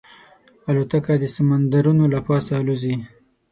الوتکه د سمندرونو له پاسه الوزي.